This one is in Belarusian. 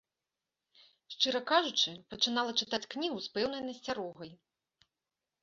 Шчыра кажучы, пачынала чытаць кнігу з пэўнай насцярогай.